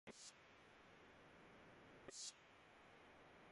تو جمہوریت کے ساتھ ان کی وابستگی مشکوک ہو جا تی ہے۔